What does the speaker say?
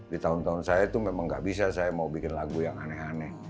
di tahun tahun saya itu memang nggak bisa saya mau bikin lagu yang aneh aneh